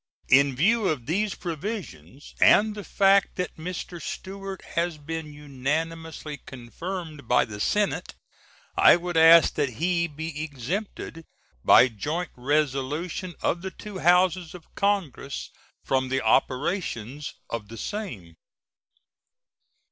In view of these provisions and the fact that Mr. Stewart has been unanimously confirmed by the Senate, I would ask that he be exempted by joint resolution of the two Houses of Congress from the operations of the same.